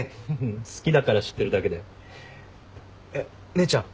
姉ちゃん。